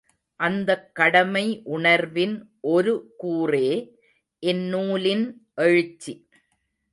அந்தக் கடமை உணர்வின் ஒரு கூறே இந்நூலின் எழுச்சி.